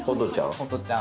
ホトちゃん。